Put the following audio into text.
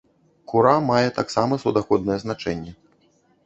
Кура мае таксама суднаходнае значэнне.